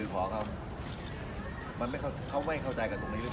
ก็ทำงานสื่อขอ